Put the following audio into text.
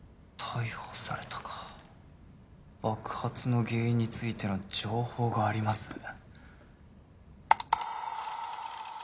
逮捕されたか「爆発の原因についての情報があります」